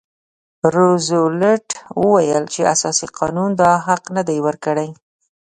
روزولټ وویل چې اساسي قانون دا حق نه دی ورکړی.